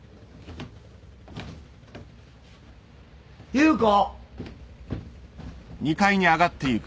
優子？